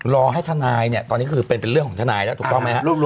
รอให้ทนายเนี่ยตอนนี้คือเป็นเรื่องของทนายแล้วถูกต้องไหมครับ